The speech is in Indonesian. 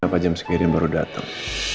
kenapa jam segini baru datang